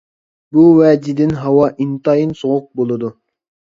بۇ ۋەجدىن ھاۋا ئىنتايىن سوغۇق بولىدۇ.